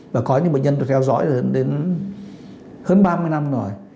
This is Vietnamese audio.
và có những bệnh nhân tôi theo dõi đến hơn ba mươi năm rồi